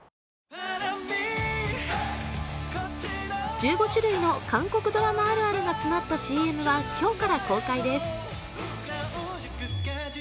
１５種類の韓国ドラマあるあるが詰まったＣＭは今日から公開です。